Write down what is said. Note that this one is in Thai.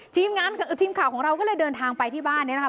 ทีมข่าวของเราก็เลยเดินทางไปที่บ้านนี้นะครับ